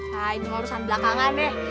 nah ini urusan belakangan deh